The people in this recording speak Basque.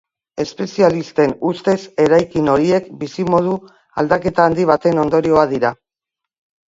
Espezialisten ustez eraikin horiek bizimodu aldaketa handi baten ondorioa dira.